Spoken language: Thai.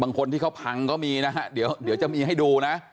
คนที่เขาพังก็มีนะฮะเดี๋ยวจะมีให้ดูนะ